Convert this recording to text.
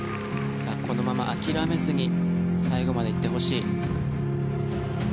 このまま諦めずに最後まで行ってほしい。